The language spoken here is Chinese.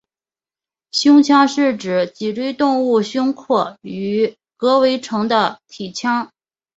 胸腔是指脊椎动物胸廓与膈围成的体腔。